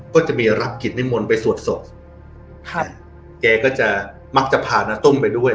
ก็จะมีรับกิจนิมนต์ไปสวดศพครับแกก็จะมักจะพาณตุ้มไปด้วย